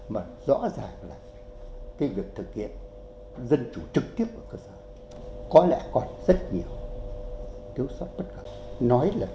mà rõ ràng là cái việc thực hiện dân chủ trực tiếp của cơ sở có lẽ còn rất nhiều thiếu sót bất ngờ